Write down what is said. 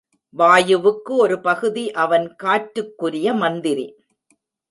வாயுவுக்கு ஒரு பகுதி அவன் காற்றுக்குரிய மந்திரி.